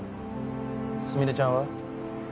すみれちゃんは？